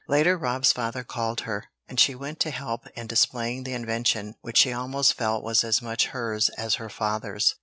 Later Rob's father called her, and she went to help in displaying the invention which she almost felt was as much hers as her father's.